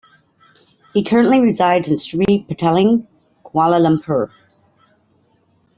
He currently resides in Sri Petaling, Kuala Lumpur.